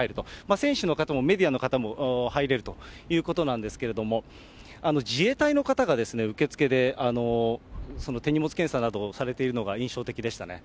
選手の方もメディアの方も入れるということなんですけれども、自衛隊の方が受付でその手荷物検査などをされているのが印象的でしたね。